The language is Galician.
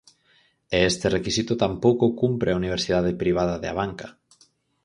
E este requisito tampouco o cumpre a universidade privada de Abanca.